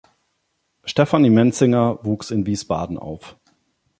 Stefanie Menzinger wuchs in Wiesbaden auf.